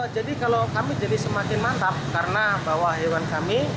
jadi kalau kami jadi semakin mantap karena bahwa hewan kami